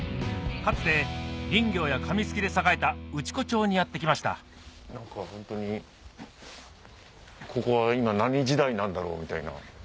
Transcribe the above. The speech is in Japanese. かつて林業や紙すきで栄えた内子町にやって来ました何かホントにここは今何時代なんだろうみたいな。